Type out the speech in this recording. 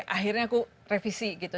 akhirnya aku revisi gitu